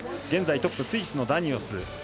現在トップ、スイスのダニオス。